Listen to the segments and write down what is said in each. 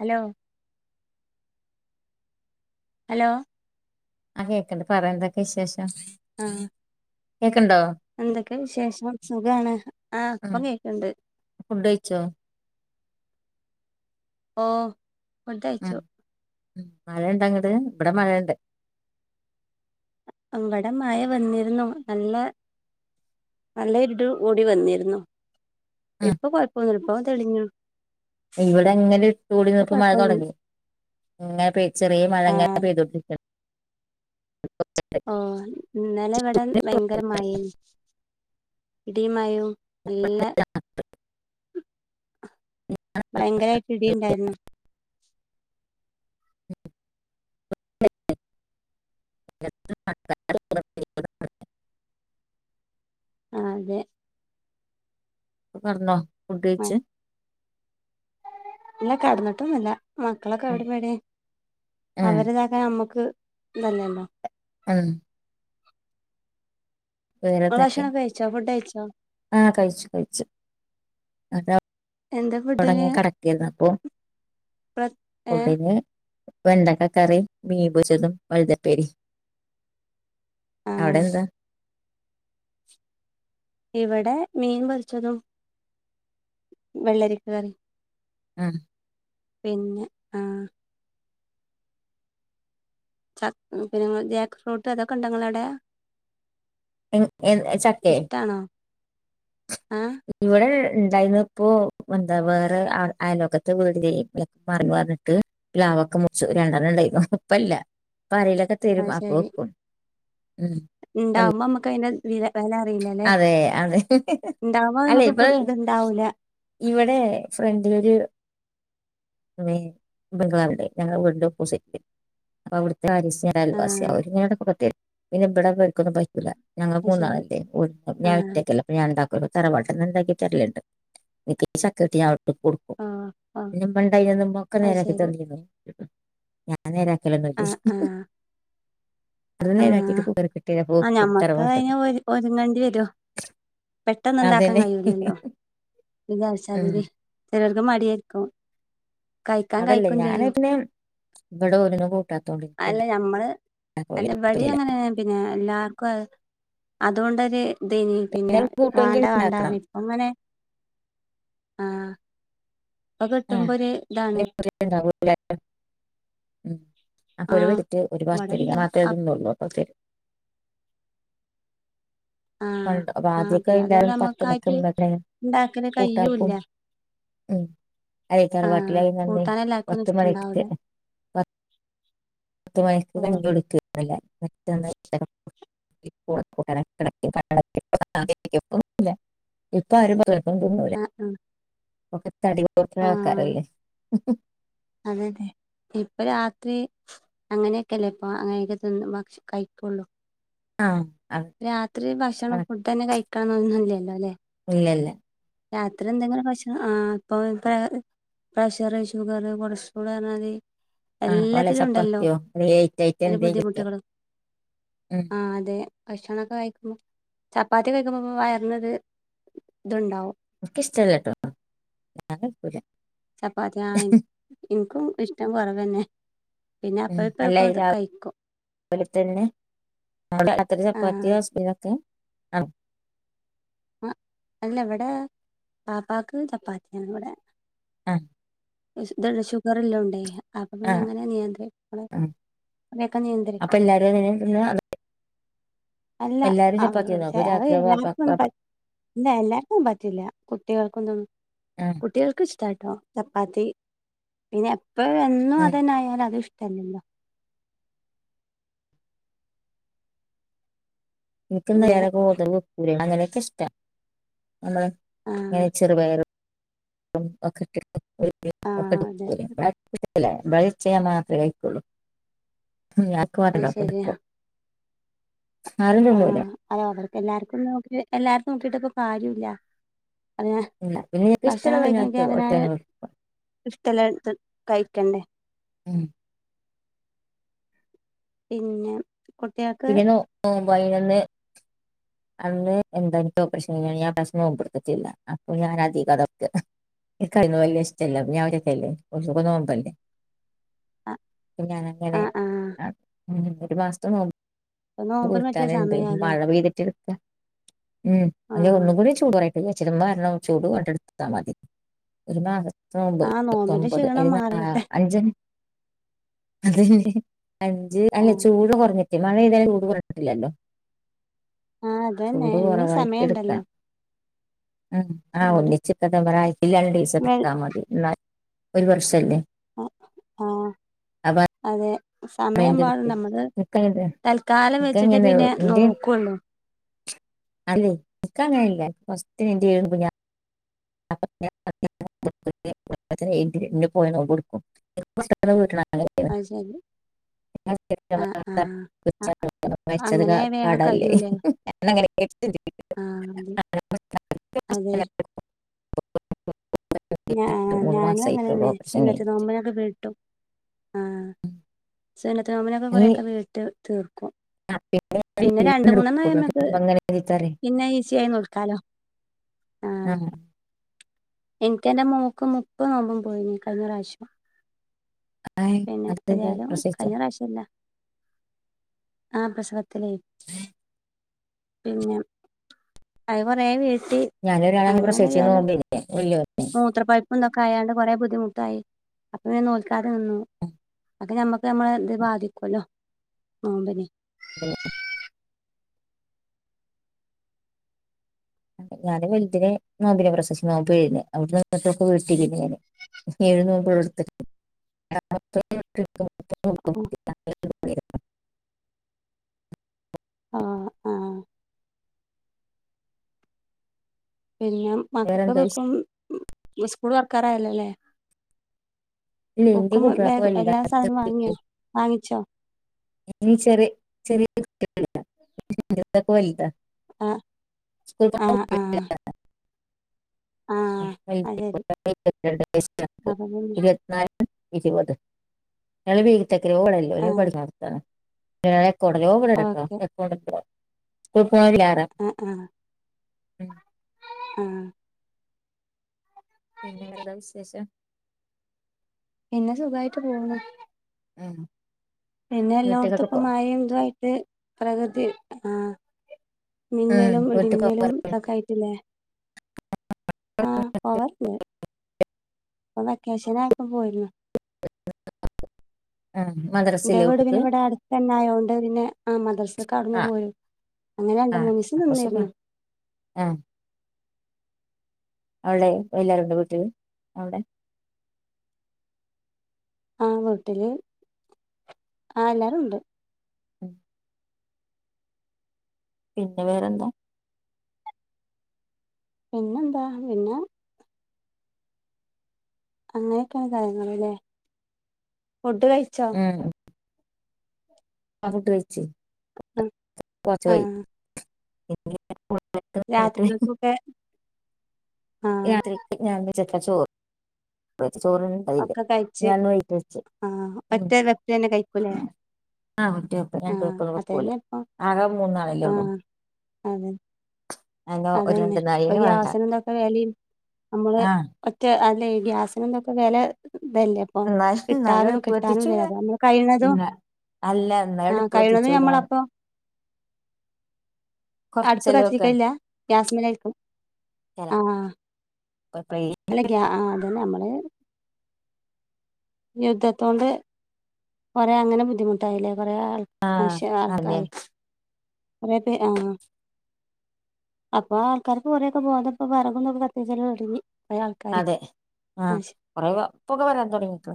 Hello hello ആ കേക്കണ്ട് പറ എന്തൊക്കെ വിശേ ഷം? ആഹ് എന്തൊക്കെ വിശേഷം സുഖമാണ് ആഹ് ഇപ്പ ഉം കേക്കണ്ട്. ഫുഡ് കഴിച്ചോ ഓ ഫുഡ്‌ കഴിച്ചു. ഉം ഉം മഴ ഉണ്ടങ്ങട്‌ ഇവിടെ മഴയുണ്ട്. ഇവ്ടെ മയ വന്നിരുന്നു നല്ല നല്ല ഇട് ഓടി വന്നിരുന്നു. ഉം ഇപ്പൊ കൊഴപ്പംന്നുല്ല ഇപ്പ തെളിഞ്ഞു ഇവിടെ അങ്ങനെ ഇട്ടൂടി ഇപ്പൊ നിന്ന്പ്പം മഴ കൊഴപ്പൊന്നു തൊടങ്ങി ഇങ്ങനെ പെയ് ചെറ്യേ മഴ ആഹ് ഇങ്ങനെ പെയ്തുകൊട്ട [unintelligible] ട്ടണ്ട് ഓ ഇന്നലെ വെടെ ഭയങ്കര മഴേനി ഇടിം മയും നല്ല ഭയങ്കരായിട്ട് ഇടി ഇണ്ടായിരുന്നു [unintelligible] ആഹ് അതെ പറന്നോ ഫുഡ്‌ കയിച്ച് ഇല്ല കടന്നിട്ടൊന്നുല്ല മക്കളൊക്കെ ഔടിം ബെടിം ഉം അവരിതൊക്കെ ഞമ്മക്ക് തല്ലെല്ലോ ഉം വേറെന്തൊക്കെ? ഭക്ഷണൊക്കെ കഴിച്ചോ ഫുഡ് കഴിച്ചോ ആഹ് കഴിച്ചു കഴിച്ചു. അതാ. എന്താ ഫുഡിന് തുടങ്ങി കിടക്കയ്ന്നപ്പൊ. പ്ര ഏഹ് ഫുഡിന് വെണ്ടക്കക്കറി മീൻ പൊരിച്ചതും വഴുതപ്പേരി ആഹ് അവിടെന്താ ഇവിടെ മീൻ പൊരിച്ചതും വെള്ളരിക്ക കറി ആഹ് പിന്നെ ആഹ് ചക്ക് പിന്നെ ജാക്ക് ഫ്രൂട്ട് അതൊക്കെ ഉണ്ട ങ്ങടെ അവിടെ? എൻ എൻ ചക്കെ ആഹ് ഇവിടെ ഉണ്ടായിന്ന ഇപ്പോ എന്താ വേറെ അയലോകത്തെ വീട് മറി പറഞ്ഞിട്ട് പ് ലാവൊക്കെ മുച്ചു രണ്ടെണ്ണം ഉണ്ടായിരുന്നു ഇപ്പല്ല്യ. ഇപ്പൊ ആരേലുവോക്കെ തരും അപ്പോ വെക്കും. ഉം ഇപ്പല്ല. ഇണ്ടാവുമ്പമ്മക്കായിന് വി [unintelligible] അതെ അതെ ഉണ്ടാവുമ്പോ അല്ലെ നമുക്ക് ഇപ്പം ഇത്ണ്ടാവൂല ഇവിടെ ഫ്രണ്ടിലൊരു നി ബംഗാൾടെ ഞങ്ങടെ [unintelligible] ഓപ്പോസിറ്റ അവി [unintelligible] ആഹ് അവര് ങ്ങളടെ കു പിന്നെ ഇവിടെവർക്കൊന്നും പറ്റൂ ല്ല. ഞങ്ങള് അത് മൂന്നാള്. ശരി ആഹ് ഞാൻട്ടക്കല്ല ഞാ ഉണ്ടാക്ക തറവാട്ട് ക്ക്ണ്ടാക്കിതര്ലിണ്ട് [unintelligible] ചക്കട്ട കൊടുക്കും ഓഹ് ഓഹ് പിന്നെ മണ്ടന്നുമ ഒക്കെ അത് നേരക്കി ശരി തന്ന ഞാ അനേരാക്കലൊന്നോല്ല ആഹ് ആഹ് അത് നേരം ആഹ് ആക്കിട്ട് കൂ കുറപ്പെട്ട ആഹ് ഞമ്മക്ക് അതിന് അതുമെണ്ടി വരോ പെട്ടെന്ന് ഉണ്ടാക്കാൻ അതന്നെ കഴിയില്ലല്ലോ ഉം വിച്ചാരിച്ചമാതിരി [unintelligible] മടിയായിരിക്കും. കഴിക്കാൻ അതല്ലേ കഴിക്കും ഞാന് ചെയ്യും ഇങ്ങനെ ഇവിടെ ഒന്നും കൂട്ടാത്തോണ്ടി അല്ല ഞമ്മള് എല്ലാവർക്കും അതുകൊണ്ടൊരും. തനി പിന്നെ കൂട്ടുമെങ്കിൽ വേണ്ട വേണ്ട ഉണ്ടാക്കണം ഇപ്പ അങ്ങനെ ആഹ് ഇപ്പൊ ആഹ് കിട്ടുമ്പോ ഒരു ഇതാണ് ഇണ്ടാവൂ ഉം അഹ് ആഹ് പുഴവതിട്ട് ഒരുപാട് തരില്ല ഇവടെണ്ട് അപ് മാത്രേതന്നേ ഉള്ളൂ അപ്പൊ തരു. ആഹ് പപ്പ ആഹ് ആദ്യമൊക്കെ പിന്നെ അതുകൊണ്ട് എല്ലാവരും പത്ത് നമ്മക്കായിട്ട് മിക്ക്പ ഇണ്ടാക്കല് കൂട്ടാർക്കും. കയ്യൂല്ല ഉം അത തർവാട്ടല ആഹ് അയിുന്നി കൂട്ടാന് എല്ലാർക്കൊന്നും വത്ത് മനക്ക് ഇഷ്ടണ്ടാവൂല പത്ത് മണിക്ക് കണ്ട ഓഹ് കൊടുക്ക ഇപ്പ ക്ക എളുപ്പം തിന്നൂലാ ആഹ് ആഹ് ഓക്കെ തടികുറച്ചണ ആൾക്കാറല്ലേ ഉംഹ് അതെതെ ഇപ്പൊ രാത്രി അങ്ങനെയൊക്കെല്ലേ ഇപ്പൊ അങ്ങനെയൊക്കെ തന്നെ ഭക്ഷ കഴിക്കുള്ളു ആം രാത്രി ഭക്ഷണം ഫുഡ് തന്നെ കഴിക്ക കാണന്നല്ലല്ലോ അല്ലെ ഇല്ലല്ലേ രാത്രി എന്തെങ്കിലും ഭക്ഷണം ആ ഇപ്പൊ ദാ പ്രഷറ് ഷുഗർ കൊളസ്ട്രാൾ പറഞ്ഞാല് ആഹ് വള എല്ലാത്തിലും സപ്പ ഉണ്ടല്ലോ ആക്ത്തിയോ അ റ്റ് ഐറ്റ് അതിന്റെ എന്തക്ക ബുദ്ധിമുട്ടുകളും ഉം ഭക്ഷണംമൊക്കെ കഴിക്കുമ്പോൾ ചപ്പാത്തി കഴിക്കുമ്പോ വയർന്നത് ഇതുണ്ടാവും നക്ക് ഇഷ്ടല്ലട്ടോ ഞാൻ കഴിക്കൂല ചപാത്തി ആ ഇനികും ഇഷ് റ്റം കുറവന്നെ പിന്നെ അപ്പ ഉം ഇപ്പ അല്ല ഇപ്പ രാവ കഴിക്കും രാവിലെ തന്നെ അവിടെ ആ ചപ്പാത്തിയോ ഹോസ്പിറ്റലൊക്കെ ആ ആ അല്ല ഇവിടെ പാപ്പാക്ക് ചപ്പാത്തിയാണ് ഇവിടെ ആഹ ഷുഗർല്ലാം ഉണ്ടായി അപ്പൊ ആ പിന്നെ അങ്ങനെ നിയന്ത്രി ആ. അടെക്കെ അപ്പൊ നിയന്ത്രിക്ക എല്ലാരും അതിനെ തിന്ന് അത് അല്ല എല്ലാരും അത് ചപ്പാത്തി തിന്നു അപ്പൊ രാത്രി വാപ്പ എല്ലാർക്കും അങ്ങനെ വാപ്പ പറ്റ ഇല്ല എല്ലാർക്കും പറ്റില്ല കുട്ടികൾക്കൊന്നും ആ കുട്ടികൾക്ക് ഇഷ്ടാട്ടോ ചപ്പാത്തി പിന്നെ ഇപ്പൊ എന്നും ആ. അതന്ന ആായാലും അത് ഇഷ് ത്ല്ലല്ലോ നിിക്കുന്ന പിന്നെ വിലോതവ് അങ്ങനെ ക്കിഷ്ട്ടാ നമ്മള് ആ ഇങ്ങനെ ചെറുപയറും വക്കക്ക ആഹ് അതെ ക്ക എല്ലെ [unintelligible] കുഞ്ഞാക്ക് അത് ശരിയാ [unintelligible] ആഹ് അയോ [unintelligible] എല്ലാർക്കും [unintelligible] എല്ലാർതും നോക്കീട്ട് ഇപ്പ കാര്യോല്ല അെ ഇല്ല പിന്നെ എനിക്ക് ഭക്ഷണം ഇഷ്ടമുള്ള ഞാൻ കഴിക്കണെക്ക ഒറ്റ അവന ഒറ്റ ഇഷ്ടല്ല കഴ ക്കണ്ടേ ഉം പിന്നെ കുട്ടികൾക്ക് അപ്പൊ അയിന്ന് അന്ന് എന്തായ ഓപ്പറേഷൻ കഴ ഞാൻ പ്രശം നോമ്പ്പ കൊടുത്തിില്ല അപ്പൊ ഞാൻ അധികം അതൊെ കഴ വല ഇഷ്ടമല്ല ഞാൻ അവരൊക്കെല്ലേ ഒരുഖെ നോമ്പല്ലേ ആഹ് പിന്നങ്ങനെ ആഹ് ആഹ് ആ ഉ ഒരു മാസം നോ ഇപ്പൊ നോമ്പിന് പറ്റിയ പൂട്ടാനുണ്ട് സമയാല്ലേ മഴ പെയ്തിട്ട് ഉം അല്ലെ ആഹ് ഒന്നും കൂടി [unintelligible] [unintelligible] ച്ചില മരണം ചൂട് കണ്ടട്ത്താ മതി ഒരു മാ നോമ്പ് ആഹ് ഇരുത്തൊ നോമ്പിന്റെ [unintelligible] ക്ഷീണം മാറിയട്ടെ അഞ്ച് അതെ അഞ്ച് അല്ല ആഹ് ചൂട് കൊറഞ്ഞ് സത്യമാണ്ത ട്ടില്ലല്ലോ ആഹ് അതന്നെ ചൂട് ഇന്നും കുറവായി ഇട്ക്കാ സമയണ്ടല്ലോ ആഹ് ചൂട് ഒന്നിച്ച് [unintelligible] രണ്ടീസം വെൾ ഇട്ത്തമതി ന്നാ ഒരു വർഷല്ലേ ആ ആഹ് അതെ സമയം പാടും നമ്മള് ടുങ്ങ തൽക്കാലം വെച്ചിട്ടേ പിന്നെ നോക്കുള്ളൂ അല്ലങ്ങനല്ല [unintelligible] [unintelligible] [unintelligible] അഅ്ശരി ആഹ് ആഹ് [unintelligible] മരിച്ചത് അങ്ങനെ വേണം കടല്ലേ കഴൂല്ലേ ഞാൻ അങ്ങനെ ആഹ് അത് അതെ ഞാ മൂന്ന് ഞാനു മാസമായിട്ടുള്ളൂ അങ്ങനന്നെ ഓപ്പറേഷൻ സുന്നത്ത് കഴിഞ്ഞിട്ട് നോമ്പിനൊക്കെ വീട്ടും ആഹ് സുന്നത്ത് നോമ്പിനൊക്കെ കൊററെയൊക്കെ നീട്ടു ത്ത് ആയമ്മക്ക് ങ്ങന പിന്നെ ഈസി ആയി നോൽക്കാലോ ആഹ് ആഹ [unintelligible] എനിക്ക് എന്റെ മൂക്ക് മുപ്പ് നോമ്പും പോയി നീ കഴിഞ്ഞ പ്രാവശ്യം ആ പിന്നെ അതി ഏതായാലും പ്രസവിച്ചോ ആ [unintelligible] [unintelligible] പിന്നെ ആയി പറയാൻ ഞാനേ [unintelligible] [unintelligible] എന്തൊക്കെ [unintelligible] കൊറെ ബുദ്ധിമുട്ടായി [unintelligible] [unintelligible] ഞാന് [unintelligible] [inaudible] ആ ആ പിന്നെ മക്കക്ക് വേറെന്താ തോക്കും വിശേഷം? ഉം ന്നു സ്കൂൾ തുറക്കാറായല്ലല്ലേ [unintelligible] [unintelligible] വലുതാ സാധനവും വാങ്ങിയോ വാങ്ങിച്ചോ ആ ആ ആ [unintelligible] [unintelligible] [unintelligible] ആ അത് ശരി അപ്പൊ പിന്നെ ഇരുപത് [unintelligible] [unintelligible] [unintelligible] [unintelligible] ആ ഓക്കെ [unintelligible] ആ [unintelligible] ഉം അഹ് പിന്നെ [unintelligible] വിശേഷം പിന്നെ സുഖായിട്ട് പോകുന്നു ഉം പിന്നെ എല്ലാത്തും വീട്ടിലൊക്കെ ഇപ്പ പോ മഴ എന്തുമായിട്ട് പ്രകൃതി [unintelligible] ആ ഉം നിങ്ങലും വീട്ടിൽ പോ ഇടുമിഞ്ഞലും ഇതൊക്കെ ആയിട്ടില്ലേ ആഹ് പോവറില്ലേ അപ്പൊ വെക്കയാശനക്കെ പോയിരുന്നു എന്റെ മദ്രസയിലെ വീട് വീട്ടിക്ക് പിന്നെ ഇവിടെ അടുത്ത് തന്നെ ആയതൊണ്ട് പിന്നെ ആ മദർസ് ക അടന്ന ആ പോരും അങ്ങനെ രണ്ട ആ മൂന്ന് സം അപ്പൊ സുഖം നിന്നിരുന്നു ആ അവിടെ എല്ലാരുണ്ട് വീട്ടില് അവിടെ ആ വീട്ടില് ആ എല്ലാരു ഉണ്ട് ഉം പിന്നെ വേറെന്താ പിന്നെന്താ പിന്നെ അങ്ങനെയൊക്കെയാണ് കാര്യങ്ങള്ലെ ഫുഡ് കഴിച്ചോ അ ഫുഡ്‌ കഴിച്ച് ആഹ് ഓ [unintelligible] രാത്രിക്കൊക്കെ രാത്രിക്ക് ഞാൻ ചക്കച്ചോറ് ചോറിണ്ടതില് ഒക്കെ കഴിച്ച് ഞാൻ വൈയിട്ട് വെച്ച് ആഹ് ഉ ഒറ്റ വെപ്പില് തന്നെ കഴിക്കൂലേ ആ ഒറ്റ വെപ്പ് ആഹ് രണ്ടുവെപ്പ് വെക്കൂലാ അതന്നെ ഇപ്പൊ ആകെ മൂന്നാളല്ലേ ഉള്ളൂ അതെ അതിന് ഒരു അതെന്നെ രണ്ട് ഇപ്പൊ നാളിന് വേണ്ട ഗ്യാസിന് ന്തൊ [unintelligible] വെലിം നമ്മള് ആ ഒറ്റ അല്ലെ ഗ്യാസിനന്തൊക്കെ വില ഇതല്ലേ അപ്പൊ എന്നാലും എന്നാലും കിട്ടാനും അടുപ്പ് കിട്ടാനുംല്ല കത്തിച്ചൂല അപ്പൊ നമ്മള് കഴിയുന്നതും ഇന്ന അല്ല എന്നാലും ആഹ് അടുപ്പ് കഴിയണതും കത്തിച്ചൂലാണ് ഞമ്മളപ്പൊ അടുപ്പ് കൊറച്ചെല്ലാം വെക്കാണ് കത്തിക്കലില്ല ഗ്യാസ്മ്മലായ്ക്കും ആ ചെലപ്പോ എപ്പളേ അല്ല ഗ്യാ ആ അതന്നെ നമ്മള് യുദ്ധത്തോണ്ട് കുറേ അങ്ങനെ ബുദ്ധിമുട്ടായില്ലേ കൊറേ ആൾ ആഹ് മനഷ്യ അതെ ആൾക്കായി കൊറേ പേ ആ അപ്പൊ ആൾക്കാര് കുറെ പോകാതപ്പോ വിറക്ന്നത് കത്തിച്ചിലോരായി അതെ ആ കൊറെ പുക വരാൻ തുടങ്ങിട്ട്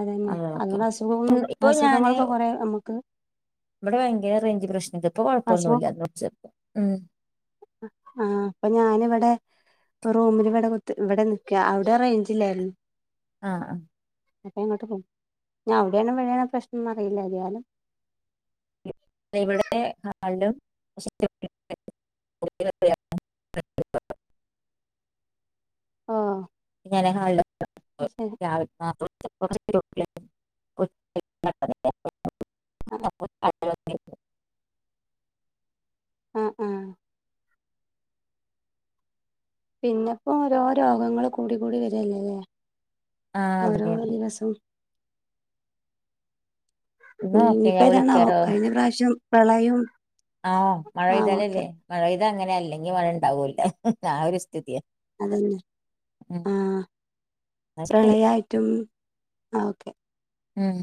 അതെന്നെ അതുകൊണ്ട് ഉം അസുഖൊന്നും ഇപ്പൊ ഞാന് അസുഖങ്ങളൊക്കെ കുറേ നമുക്ക് ഇവിടെ ഭയങ്കര റേഞ്ച് പ്രശ്നം അശോക് ആഹ് അപ്പൊ ഞാനിവിടെ റൂമില് ഇവിടെ കുത് ഇവിടെ നിക്കുക അവിടെ റേഞ്ച് ഇല്ലായിരുന്നു ആ അ അപ്പൊ എങ്ങോട്ട് പോം ഞ്ഞ് അവിടെയാണ്‌ മഴയാണ്‌ പ്രശ്നംന്ന് അറിയില്ല എയാലും ഇവിടെ ഹാളിലും [inaudible] ആ [unintelligible] [unintelligible] [unintelligible] ആ [unintelligible] ആ ആ പിന്നെപ്പോ ഓരോ രോഗങ്ങള് കൂടി കൂടി വരല്ലെല്ലേ ഓരോ അതന്നെയാണ് ദിവസും എന്നാ ഓക്കെ ഇനിയിപ്പോ ഞാൻ ഏതാണാവോ കഴിഞ്ഞ പ്രാവശ്യം പ്രളയം ആഹ മഴ ആ ഓക്കെ പെയ്താലല്ലേ [unintelligible] ഇത് അങ്ങനെ അല്ലെങ്കിൽ മഴ ഉണ്ടാവൂല ആ ഒരു സ്ഥിതിയ അതന്നെ ആഹ ന്നാ ശരി പ്രളയായിട്ടും ആ ഓക്കെ ഉം